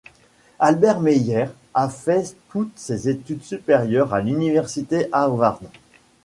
Albert Meyer a fait toutes ses études supérieures à l'université Harvard.